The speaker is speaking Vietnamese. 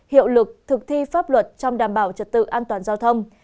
hiệu lực thực thi pháp luật trong đảm bảo trật tự an toàn giao thông